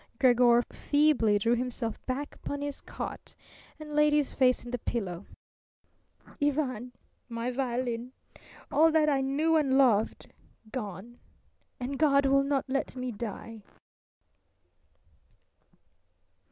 Gregor feebly drew himself back upon his cot and laid his face in the pillow. "Ivan my violin all that I knew and loved gone! And God will not let me die!"